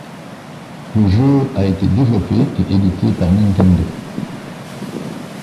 Le jeu a été développé et édité par Nintendo.